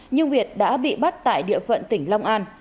nhưng việt đã bị bắt tại địa phận tỉnh long an